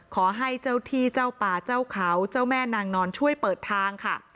ขอให้เจ้าที่เจ้าป่าเจ้าเขาเจ้าแม่นางนอนช่วยเปิดทางค่ะ